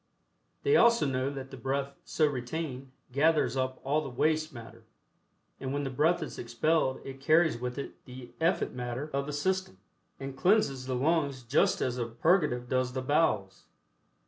They also know that the breath so retained gathers up all the waste matter, and when the breath is expelled it carries with it the effete matter of the system, and cleanses the lungs just as a purgative does the bowels.